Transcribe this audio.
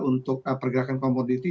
untuk pergerakan komoditi juga di atas